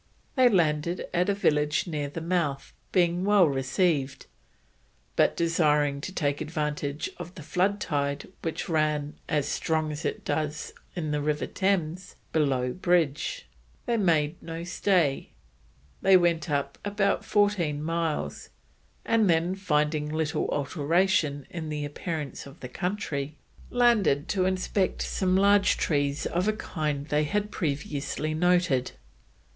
They landed at a village near the mouth, being well received, but desiring to take advantage of the flood tide which ran "as strong as it does in the River Thames below bridge," they made no stay; they went up about 14 miles, and then, finding little alteration in the appearance of the country, landed to inspect some large trees of a kind they had previously noticed.